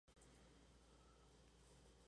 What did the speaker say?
Tenía ascendencia francesa y española.